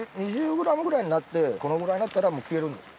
２０グラムぐらいになってこのぐらいになったらもう消えるんです。